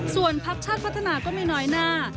ส่วนพักชาติพัฒนาก็ไม่น้อยหน้า